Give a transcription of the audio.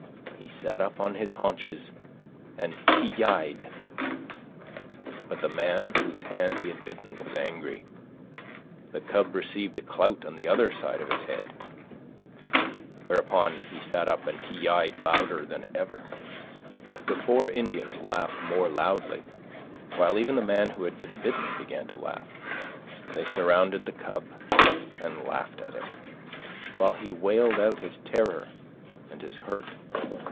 He sat up on his haunches and ki yi'd. But the man whose hand he had bitten was angry. The cub received a clout on the other side of his head. Whereupon he sat up and ki yi'd louder than ever. The four Indians laughed more loudly, while even the man who had been bitten began to laugh. They surrounded the cub and laughed at him, while he wailed out his terror and his hurt.